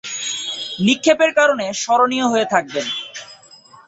নিক্ষেপের কারণে স্মরণীয় হয়ে থাকবেন।